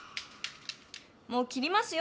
もう切りますよ